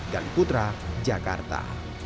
dari putra jakarta